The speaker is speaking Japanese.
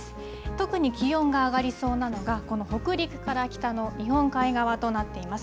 特に気温が上がりそうなのがこの北陸から北の日本海側となっています。